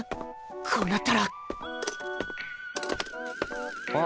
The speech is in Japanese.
こうなったらん？